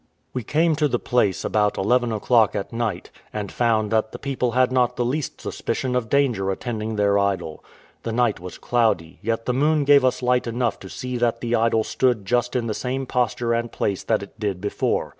We came to the place about eleven o'clock at night, and found that the people had not the least suspicion of danger attending their idol. The night was cloudy: yet the moon gave us light enough to see that the idol stood just in the same posture and place that it did before.